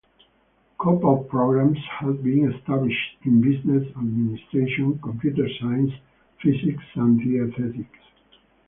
Co-op programs have been established in Business Administration, Computer Science, Physics, and Dietetics.